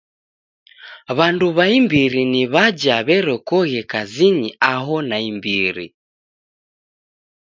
W'andu w'a imbiri ni w'aja w'erekoghe kazinyi aho naimbiri.